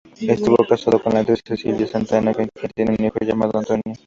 Estuvo casado con la actriz Cecilia Santana, con quien tiene un hijo llamado Antônio.